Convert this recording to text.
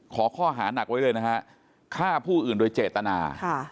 ข้อหานักไว้เลยนะฮะฆ่าผู้อื่นโดยเจตนา